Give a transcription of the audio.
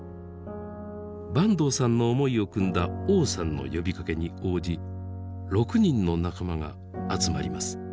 坂東さんの思いをくんだ王さんの呼びかけに応じ６人の仲間が集まります。